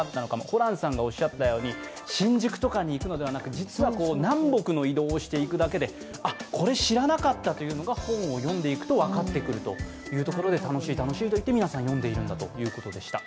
ホランさんがおっしゃったように新宿とかに行くのではなく実は南北の移動をしていくだけで、これ知らなかったというのが本を読んでいくと分かってくるというところで楽しい楽しいと皆さん読んでいるんだということでした。